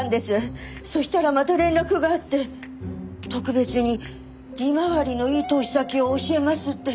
そしたらまた連絡があって特別に利回りのいい投資先を教えますって。